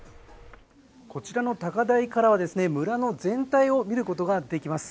こちらの高台からは村の全体を見ることができます。